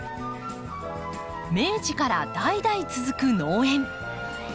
明治から代々続く農園。